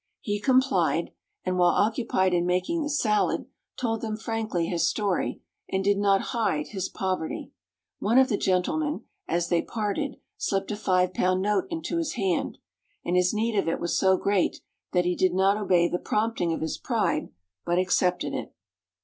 He complied, and while occupied in making the salad, told them frankly his story, and did not hide his poverty. One of the gentlemen, as they parted, slipped a five pound note into his hand, and his need of it was so great that he did not obey the prompting of his pride, but accepted it.